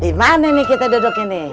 di mana nih kita duduk ini